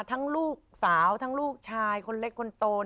ทั้งลูกสาวทั้งลูกชายคนเล็กคนโต